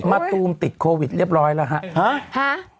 ตูมติดโควิดเรียบร้อยแล้วฮะ